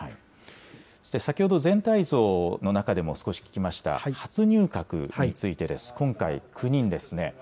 そして、先ほど、全体像の中でも少し聞きました、初入閣についてです。今回、９人ですね。